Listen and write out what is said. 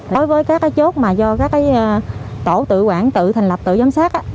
đối với các chốt mà do các tổ tự quản tự thành lập tự giám sát